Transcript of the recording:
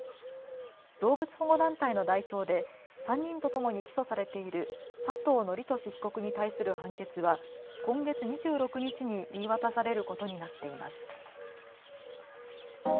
動物保護団体の代表で３人とともに起訴されている佐藤徳壽被告に対する判決は今月２６日に言い渡されることになっています。